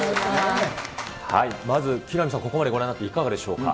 まず、木南さん、ここまでご覧になっていかがでしょうか。